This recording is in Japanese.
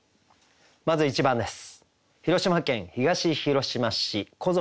まず１番です。